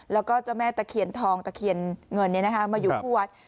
แล้วก็เจ้าแม่ตะเคียนทองตะเคียนเงินมาอยู่ที่วัด